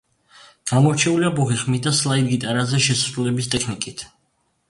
გამორჩეულია ბოხი ხმით და სლაიდ გიტარაზე შესრულების ტექნიკით.